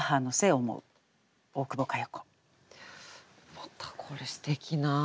またこれすてきな。